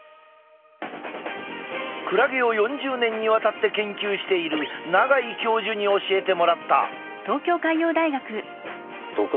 クラゲを４０年にわたって研究している永井教授に教えてもらった。